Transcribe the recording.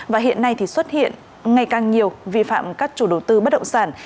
và hiện nay thì xuất hiện ngày càng nhiều vi phạm các chủ đầu tư bất động sản